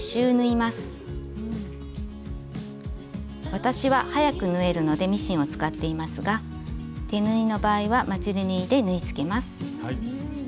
私は早く縫えるのでミシンを使っていますが手縫いの場合はまつり縫いで縫いつけます。